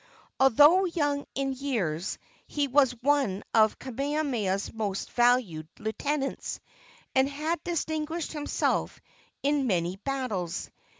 Although young in years, he was one of Kamehameha's most valued lieutenants, and had distinguished himself in many battles.